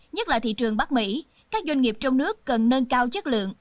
nhất là thị trường bắc mỹ các doanh nghiệp trong nước cần nâng cao chất lượng